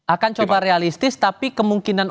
akan coba realistis tapi kemungkinan